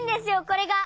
これが。